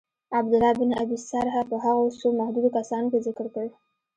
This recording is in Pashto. عبدالله بن ابی سرح په هغو څو محدودو کسانو کي ذکر کړ.